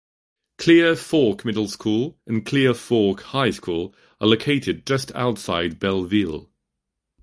Clear Fork Middle School and Clear Fork High School are located just outside Bellville.